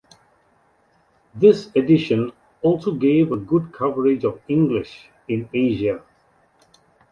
This edition also gave a good coverage of English in Asia.